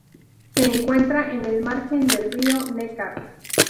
Se encuentra en el margen del río Neckar.